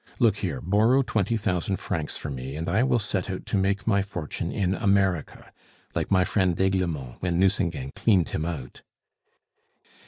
Look here, borrow twenty thousand francs for me, and I will set out to make my fortune in America, like my friend d'Aiglemont when Nucingen cleaned him out."